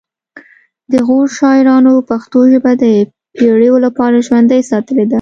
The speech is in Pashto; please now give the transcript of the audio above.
د غور شاعرانو پښتو ژبه د پیړیو لپاره ژوندۍ ساتلې ده